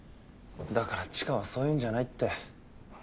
だから千夏はそういうんじゃないって。